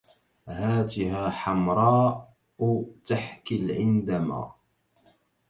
هاتها حمراء تحكي العندما